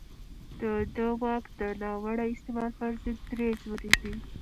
ده د واک د ناوړه استعمال پر ضد دريځ ونيو.